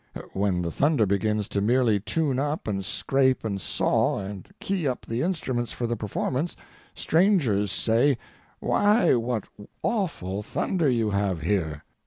When the thunder begins to merely tune up and scrape and saw, and key up the instruments for the performance, strangers say, "Why, what awful thunder you have here!"